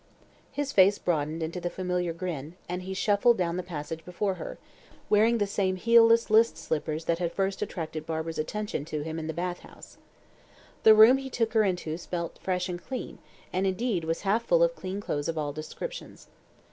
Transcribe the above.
His face broadened into the familiar grin, and he shuffled down the passage before her, wearing the same heelless list slippers that had first attracted Barbara's attention to him in the bath house. The room he took her into smelt fresh and clean, and indeed was half full of clean clothes of all descriptions.